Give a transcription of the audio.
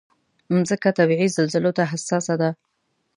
مځکه طبعي زلزلو ته حساسه ده.